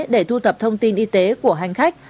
để thu thập thông tin y tế của hành khách